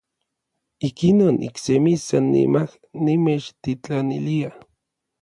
Ikinon, iksemi sannimaj nimechtitlanilia.